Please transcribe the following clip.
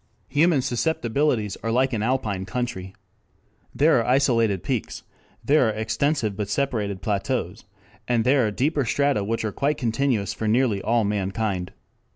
Human susceptibilities are like an alpine country. There are isolated peaks, there are extensive but separated plateaus, and there are deeper strata which are quite continuous for nearly all mankind.